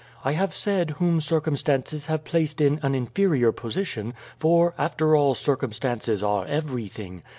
I have said whom circumstances have placed in an inferior position, for after all circumstances are everything.